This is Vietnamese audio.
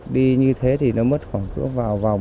đi như thế thì nó mất khoảng cứ vào vòng